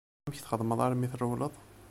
Amek txedmeḍ armi trewleḍ?